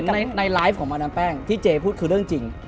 ในไลฟ์ของมาดามแป้งที่เจพูดคือเรื่องจริง